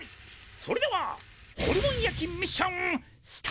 それではホルモン焼きミッションスタート！